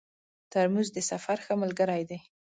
ترموز د سفر ښه ملګری دی.